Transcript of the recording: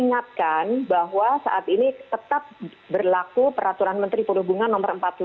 ingatkan bahwa saat ini tetap berlaku peraturan menteri perhubungan no empat puluh lima